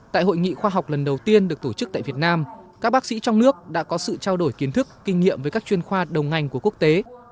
tại hội nghị khoa học lần đầu tiên được tổ chức tại việt nam các bác sĩ trong nước đã có sự trao đổi kiến thức kinh nghiệm với các chuyên khoa đầu ngành của quốc tế